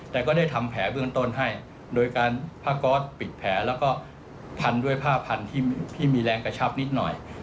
แต่ก็ได้ทำแผลเบื้องต้นให้โดยการผ้าก๊อตปิดแผลแล้วก็พันด้วยผ้าพันธุ์ที่มีแรงกระชับนิดหน่อย